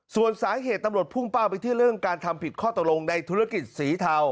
ส่วนสาเหตุตำรวจพุ่งเป้าไปที่เรื่องการทำผิดข้อตกลงในธุรกิจสีเทา